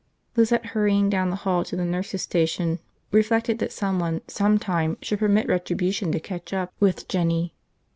Lizette, hurrying down the hall to the nurses' station, reflected that someone, sometime, should permit retribution to catch up with Jinny.